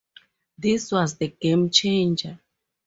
This was the game changer.